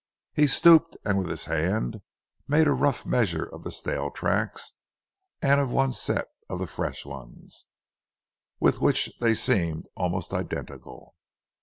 He stooped and with his hand made a rough measure of the stale tracks, and of one set of the fresh ones, with which they seemed almost identical.